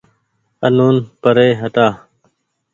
آنون پري هٽآ